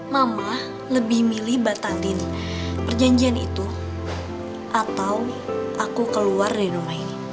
mama lebih milih batangin perjanjian itu atau aku keluar dari rumah ini